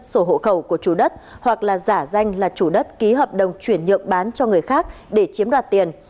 sổ hộ khẩu của chủ đất hoặc là giả danh là chủ đất ký hợp đồng chuyển nhượng bán cho người khác để chiếm đoạt tiền